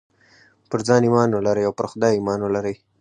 پر ځان ايمان ولرئ او پر خدای ايمان ولرئ.